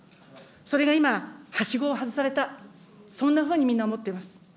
それが今、はしごを外された、そんなふうにみんな思ってます。